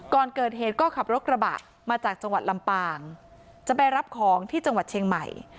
ก่อนเกิดเหตุก็ขับรถกระบะมาจากจังหวัดลำปางจะไปรับของที่จังหวัดเชียงใหม่